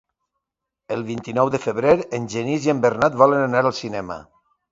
El vint-i-nou de febrer en Genís i en Bernat volen anar al cinema.